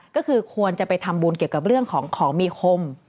ก็คือควรจะไปทำบุญเกี่ยวกับเรื่องของของมีคม